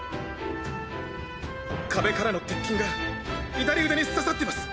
壁からの鉄筋が左腕に刺さってます。